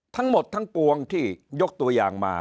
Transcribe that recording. ทั้งหมดทั้งปวงที่ยกตัวอย่างมา